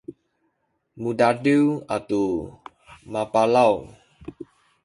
mudadiw atu mapalaw